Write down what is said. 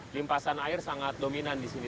limpasan air sangat dominan disini